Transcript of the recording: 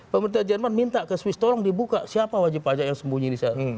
pemerintah jerman minta ke swiss tolong dibuka siapa wajib pajak yang sembunyi di sana